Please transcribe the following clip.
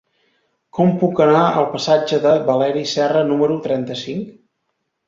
Com puc anar al passatge de Valeri Serra número trenta-cinc?